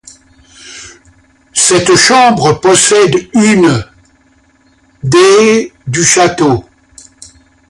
Cette chambre possède une des du château.